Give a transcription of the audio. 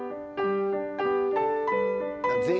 全員